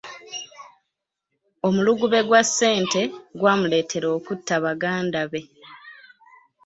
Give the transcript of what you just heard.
Omulugube gwa ssente gwamuleetera okutta baganda be.